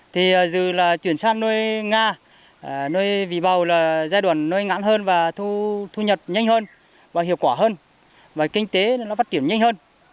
thì dù là chuyển sang nuôi nga nuôi vị bầu là giai đoạn nuôi ngắn hơn và thu nhập nhanh hơn và hiệu quả hơn và kinh tế nó phát triển nhanh hơn